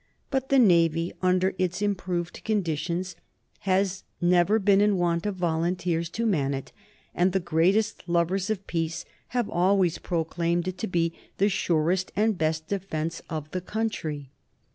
But the Navy, under its improved conditions, has never been in want of volunteers to man it, and the greatest lovers of peace have always proclaimed it to be the surest and best defence of the country.